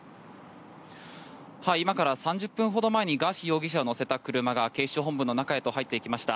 今から３０分ほど前にガーシー容疑者を乗せた車が警視庁本部の中へと入っていきました。